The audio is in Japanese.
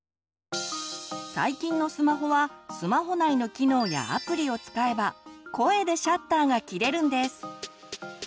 最近のスマホはスマホ内の機能やアプリを使えば声でシャッターがきれるんです。